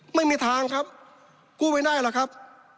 ไม่มีทางครับกู้ไม่ได้หรอกครับ